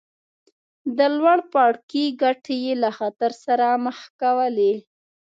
د لوړ پاړکي ګټې یې له خطر سره مخ کولې.